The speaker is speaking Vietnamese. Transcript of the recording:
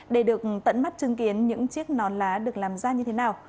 để được tận mắt chứng kiến những chiếc nón lá được làm ra như thế nào